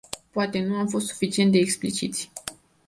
Poate nu am fost suficient de expliciți.